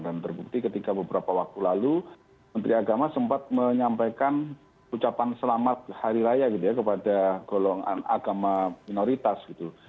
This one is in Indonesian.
dan terbukti ketika beberapa waktu lalu menteri agama sempat menyampaikan ucapan selamat hari raya gitu ya kepada golongan agama minoritas gitu